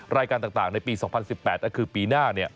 รายการต่างในปี๒๐๑๘ก็คือปีหน้า